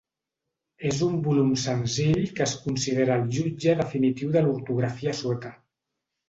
És un volum senzill que es considera el jutge definitiu de l'ortografia sueca.